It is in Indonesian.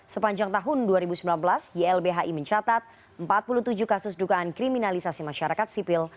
sepanjang tahun dua ribu sembilan belas ylbhi mencatat empat puluh tujuh kasus dugaan kriminalisasi masyarakat sipil